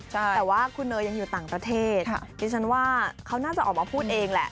แต่ว่าคุณเนยยังอยู่ต่างประเทศดิฉันว่าเขาน่าจะออกมาพูดเองแหละ